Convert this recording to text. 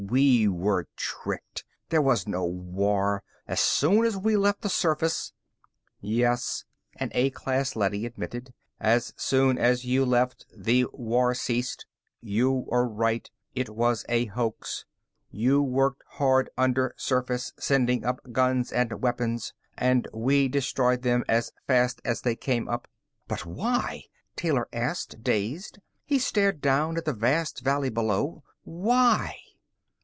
We were tricked. There was no war. As soon as we left the surface " "Yes," an A class leady admitted. "As soon as you left, the war ceased. You're right, it was a hoax. You worked hard undersurface, sending up guns and weapons, and we destroyed them as fast as they came up." "But why?" Taylor asked, dazed. He stared down at the vast valley below. "Why?"